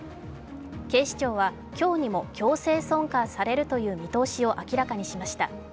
警視庁は今日にも強制送還される見通しを明らかにしました。